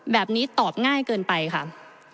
แบบนี้ตอบง่ายเกินไปค่ะ